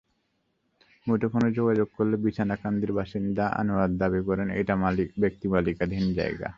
মুঠোফোনে যোগাযোগ করলে বিছনাকান্দির বাসিন্দা আনোয়ার দাবি করেন, এটা ব্যক্তিমালিকানাধীন জায়গা।